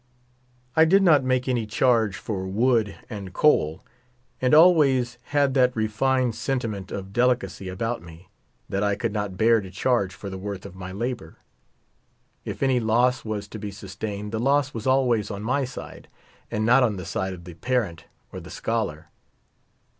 I did not make any charge for wood and coal. And always had that refined sentiment of delicacy about me that I could not bear to charge for tlie worth of my labor. If any loss was to be sustained the loss was always on my side, and not on the side of the parent or the scholar.